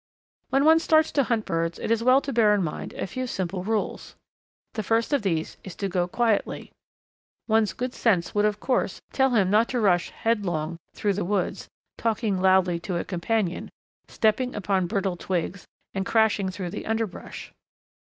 When one starts out to hunt birds it is well to bear in mind a few simple rules. The first of these is to go quietly. One's good sense would of course tell him not to rush headlong through the woods, talking loudly to a companion, stepping upon brittle twigs, and crashing through the underbrush.